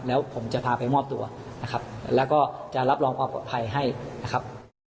แล้วผมจะพาไปมอบตัวนะครับแล้วก็จะรับรองความปลอดภัยให้นะครับ